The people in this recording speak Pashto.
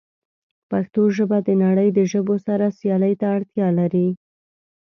پښتو ژبه د نړۍ د ژبو سره سیالۍ ته اړتیا لري.